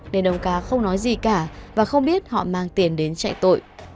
nên ông ca không nói gì cả và không biết họ mang tiền đến chạy tội